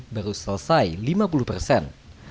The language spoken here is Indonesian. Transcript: baru selesai lima puluh persen